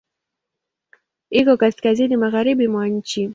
Iko kaskazini magharibi mwa nchi.